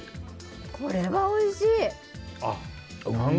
これはおいしい。